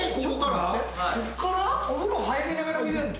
お風呂入りながら見れんの？